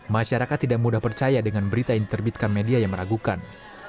masyarakat tidak mudah percaya dengan berita yang diterbitkan media yang meragukan